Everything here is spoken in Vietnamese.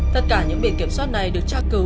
tất cả những biển kiểm soát này được tra cứu